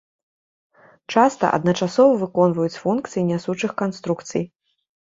Часта адначасова выконваюць функцыі нясучых канструкцый.